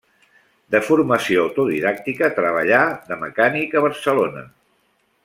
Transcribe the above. De formació autodidàctica, treballà de mecànic a Barcelona.